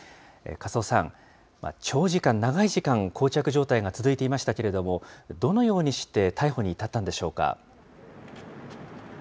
粕尾さん、長時間、長い時間、こう着状態が続いていましたけれども、どのようにして逮捕に至ったんでしょうか？